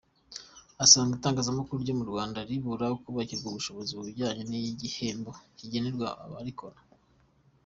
Asanga itangazamakuru ryo mu Rwanda ribura kubakirwa ubushobozi mu bijyanye n’igihembo kigenerwa abarikora.